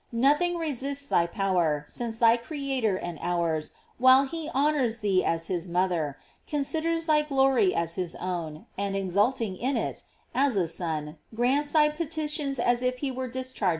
Nothing resists thy power, since thy Creator and ours, while he hon ors thee as his mother, considers thy glory as his own, and exulting in it, as a Son, grants thy petitions as if he were discharging an obliga tion.!